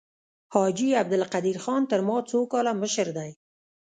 حاجي عبدالقدیر خان تر ما څو کاله مشر دی.